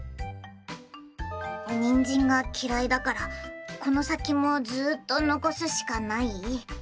にんじんがきらいだからこのさきもずーっとのこすしかない？